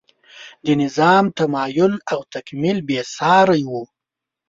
د نظام تمایل او تکمیل بې سارۍ و.